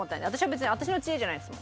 別に私の知恵じゃないです。